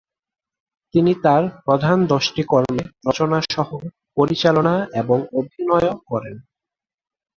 তিনি তার প্রধান দশটি কর্মে রচনাসহ পরিচালনা এবং অভিনয়ও করেন।